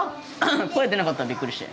声出なかったびっくりして。